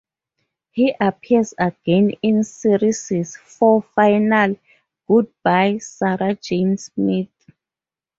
He appears again in series four finale, "Goodbye, Sarah Jane Smith".